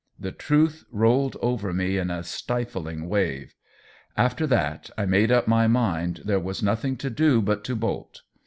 The truth rolled over me in a stifling wave. After that I made up I THE WHEEL OF TIME 39 my mind there was nothing to do but to bolt.